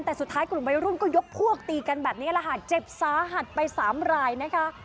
แต่สุดท้ายกลุ่มวัยรุ่นก็ยกพวกตีกันแบบนี้แหละค่ะเจ็บสาหัสไปสามรายนะคะ